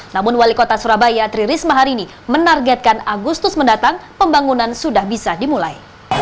namun wali kota surabaya tri risma hari ini menargetkan agustus mendatang pembangunan sudah bisa dimulai